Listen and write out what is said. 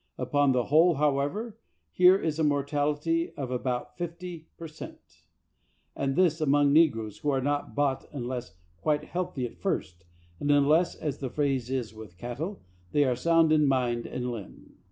Upon the whole, however, here is a mortality of about fifty per cent., and this among negroes who are not bought unless quite healthy at first, and unless (as the phrase is with cattle) they are sound in ^vind and limb.